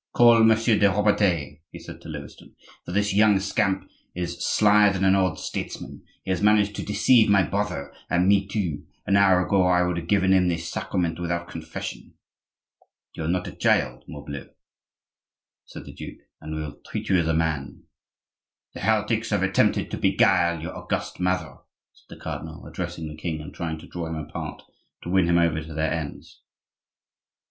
"Call Monsieur de Robertet," he said to Lewiston, "for this young scamp is slyer than an old statesman; he has managed to deceive my brother, and me too; an hour ago I would have given him the sacrament without confession." "You are not a child, morbleu!" cried the duke, "and we'll treat you as a man." "The heretics have attempted to beguile your august mother," said the cardinal, addressing the king, and trying to draw him apart to win him over to their ends.